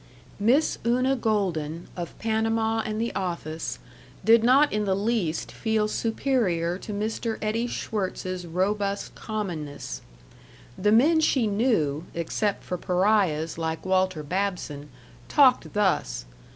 Miss Una Golden, of Panama and the office, did not in the least feel superior to Mr. Eddie Schwirtz's robust commonness. The men she knew, except for pariahs like Walter Babson, talked thus.